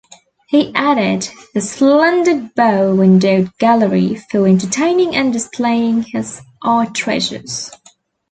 He added the splendid bow windowed gallery for entertaining and displaying his art treasures.